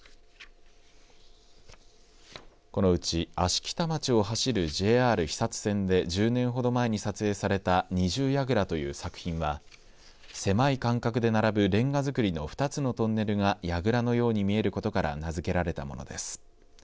このうち、芦北町を走るＪＲ肥薩線で１０年ほど前に撮影された二重櫓という作品は狭い間隔で並ぶレンガ造りの２つのトンネルがやぐらのように見えることから名付けられたものです。